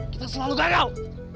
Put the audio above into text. kita selalu gagal